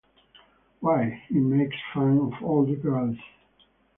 Why, he makes fun of all the girls.